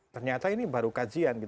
ternyata ini baru kajian